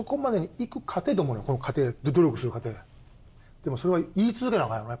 でもそれは言い続けなあかんよね